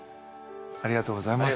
ありがとうございます。